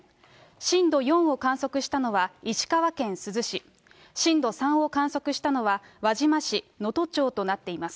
震度４を観測したのは、石川県珠洲市、震度３を観測したのは輪島市、能登町となっています。